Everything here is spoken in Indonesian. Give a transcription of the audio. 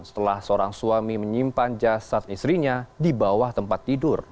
setelah seorang suami menyimpan jasad istrinya di bawah tempat tidur